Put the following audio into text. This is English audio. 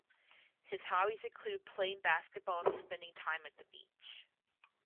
His hobbies include playing basketball and spending time at the beach.